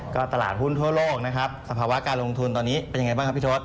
ก็ตลาดหุ้นทั่วโลกนะครับสภาวะการลงทุนตอนนี้เป็นยังไงบ้างครับพี่ชด